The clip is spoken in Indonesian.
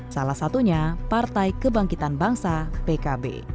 salah satunya partai kebangkitan bangsa pkb